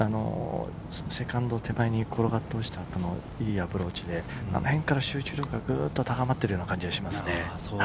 セカンド手前に転がって落ちたいいアプローチで、あのへんから集中力がぐっと高まっているような感じがします。